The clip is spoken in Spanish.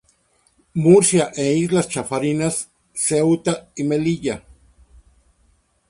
Murcia e Islas Chafarinas, Ceuta y Melilla.